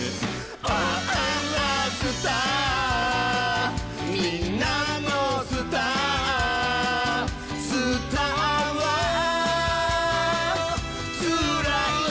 「あぁスターみんなのスター」「スターはつらいぜ」